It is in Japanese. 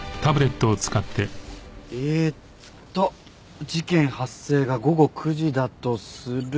えっと事件発生が午後９時だとすると。